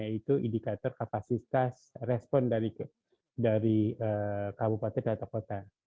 yaitu indikator kapasitas respon dari kabupaten atau kota